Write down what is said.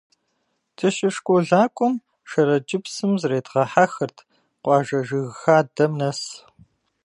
Дыщышколакӏуэм Шэрэджыпсым зредгъэхьэхырт къуажэ жыгхадэм нэс.